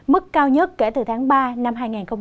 mức cao nhất kể từ tháng ba năm hai nghìn hai mươi